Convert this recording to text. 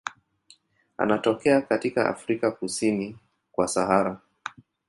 Anatokea katika Afrika kusini kwa Sahara.